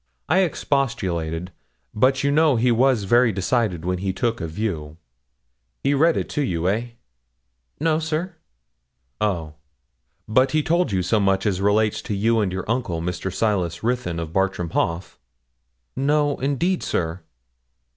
I expostulated, but you know he was very decided when he took a view. He read it to you, eh?' 'No, sir.' 'Oh, but he told you so much as relates to you and your uncle, Mr. Silas Ruthyn, of Bartram Haugh?' 'No, indeed, sir.'